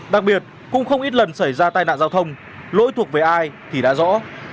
đặc biệt cũng không ít lần xảy ra tai nạn giao thông lỗi thuộc về ai thì đã rõ